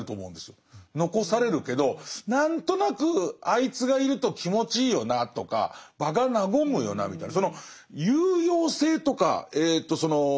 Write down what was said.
残されるけど何となくあいつがいると気持ちいいよなとか場が和むよなみたいな